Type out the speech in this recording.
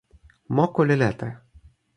moku li lete.